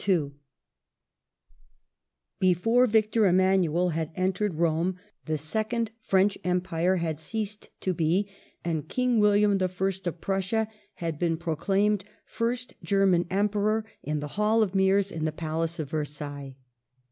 The Before Victor Emmanuel had entered Rome, the Second French German Empire had ceased to be, and King William I. of Prussia had been War proclaimed first German Emperor in the Hall of Mirrors in the Palace of Versailles.